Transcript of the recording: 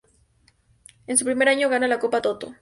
En su primer año gana la Copa Toto.